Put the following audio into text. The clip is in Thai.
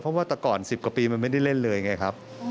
เพราะว่าแต่ก่อน๑๐กว่าปีมันไม่ได้เล่นเลยไงครับ